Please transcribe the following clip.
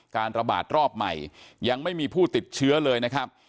การระบาดรอบใหม่ยังไม่มีผู้ติดเชื้อเลยนะครับ